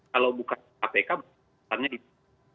kalau bukan kpk makanya itu